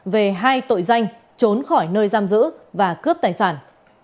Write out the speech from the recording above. về hai tội danh trốn khỏi nơi giam giữ và cướp tài sản